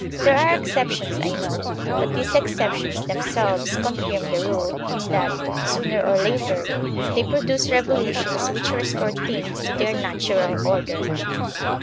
There are exceptions, I know; but these exceptions themselves confirm the rule, in that, sooner or later, they produce revolutions which restore things to their natural order.